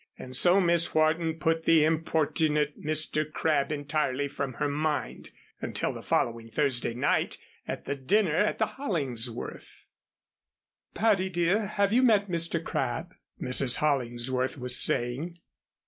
And so Miss Wharton put the importunate Mr. Crabb entirely from her mind; until the following Thursday night at the dinner at the Hollingsworths'. "Patty, dear, have you met Mr. Crabb?" Mrs. Hollingsworth was saying.